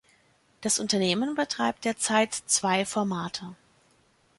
Das Unternehmen betreibt derzeit zwei Formate.